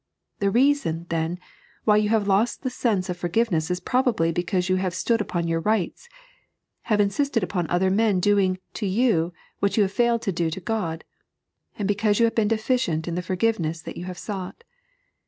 The reason, then, why you have lost the sense of forgiveness is probably be cause you have stood upon your rights, have insisted upon other men doing to you what you have failed to do to God, and because you have been deficient in the forgiveness that you have sought.